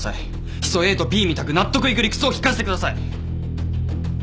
ヒ素ＡとＢみたく納得いく理屈を聞かせてください。